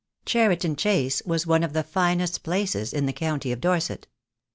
Cheriton Chase was one of the finest places in the county of Dorset.